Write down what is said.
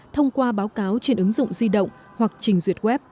thông qua báo cáo trên ứng dụng di động hoặc trình duyệt web